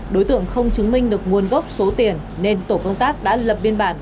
đối tượng không chứng minh được nguồn gốc số tiền nên tổ công tác đã lập biên bản